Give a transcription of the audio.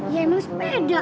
ya emang sepeda